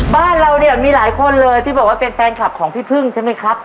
บ้านเราเนี่ยมีหลายคนเลยที่บอกว่าเป็นแฟนคลับของพี่พึ่งใช่ไหมครับ